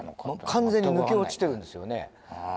もう完全に抜け落ちてるんですよね。